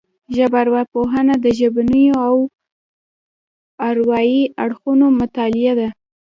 ژبارواپوهنه د ژبنيو او اروايي اړخونو مطالعه ده